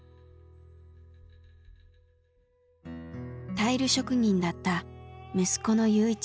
タイル職人だった息子の勇一さん。